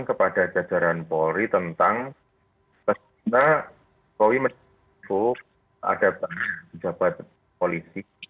kepada jajaran polri tentang karena jokowi menurutku ada dalam jabatan polisi